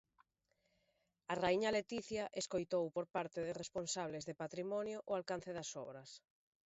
A raíña Letizia escoitou por parte de responsables de Patrimonio o alcance das obras.